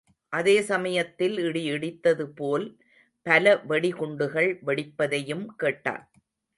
அதே சமயத்தில் இடி இடித்தது போல் பல வெடிகுண்டுகள் வெடிப்பதையும் கேட்டான்.